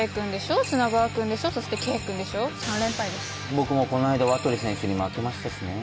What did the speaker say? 僕もこの間わとり選手に負けましたしねぇ。